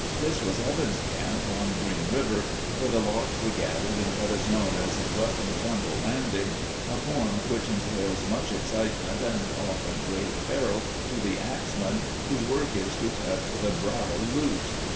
This was Evans's Camp on Green River, where the logs were gathered in what is known as a 'rough and tumble landing,'—a form which entails much excitement and often grave peril to the axeman whose work is to cut the 'brow' loose.